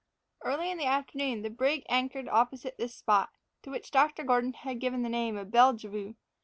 Early in the afternoon the brig anchored opposite this spot, to which Dr. Gordon had given the name of Bellevue.